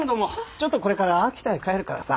ちょっとこれから秋田へ帰るからさ。